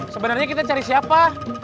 sebenernya kita cari siapa